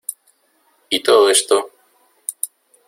¿ y todo esto?